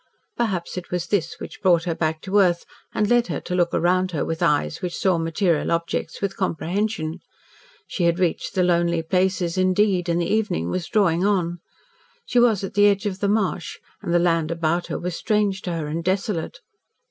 Perhaps it was this which brought her back to earth, and led her to look around her with eyes which saw material objects with comprehension. She had reached the lonely places, indeed and the evening was drawing on. She was at the edge of the marsh, and the land about her was strange to her and desolate.